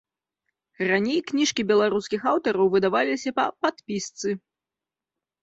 Раней кніжкі беларускіх аўтараў выдаваліся па падпісцы.